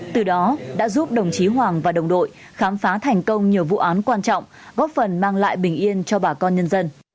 từ đó đã giúp đồng chí hoàng và đồng đội khám phá thành công nhiều vụ án quan trọng góp phần mang lại bình yên cho bà con nhân dân